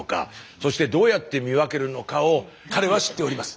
そしてどうやって見分けるのかを彼は知っております。